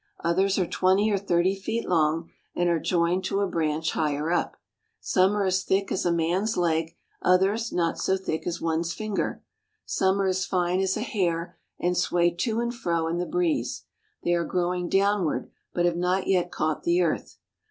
Others are twenty or thirty feet long and are joined to a branch higher up. Some are as thick as a man's leg, others not so thick as one's finger. Some are as fine as a hair, and sway to and fro in the breeze ; they are grow ing downward but have not yet caught the earth.